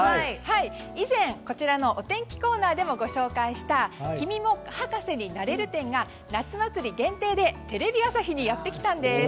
以前こちらのお天気コーナーでもご紹介した君も博士になれる展が夏祭り限定でテレビ朝日にやってきたんです。